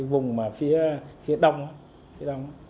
vùng phía đông